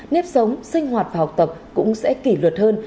nếp sống sinh hoạt và học tập cũng sẽ kỷ luật hơn